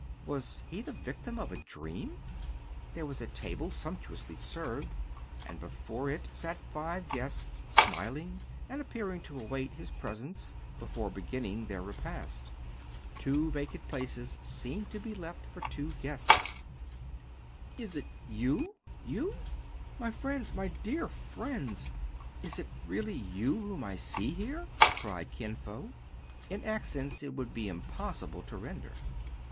Was he the victim of a dream } There was a table, sumptuously served, and before it sat five guests, smiling, and appearing to await his pres ence before beginning their repast. Two vacant places seemed to be left for two guests. WHICH THE READER MIGHT HA VE WRITTEN. 267 " Is it you ? you ? My friends ! my dear friends ! Is it really you whom I see here ?cried Kin Fo, in accents it would be impossible to render.